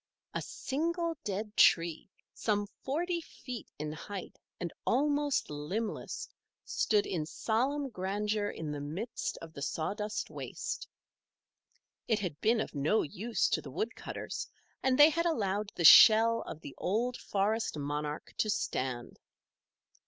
A single dead tree, some forty feet in height and almost limbless, stood in solemn grandeur in the midst of the sawdust waste. It had been of no use to the woodcutters and they had allowed the shell of the old forest monarch to stand.